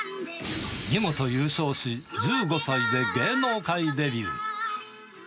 見事優勝し、１５歳で芸能界デビュー。